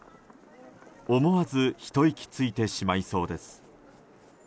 思わずひと息ついてしまいそうです。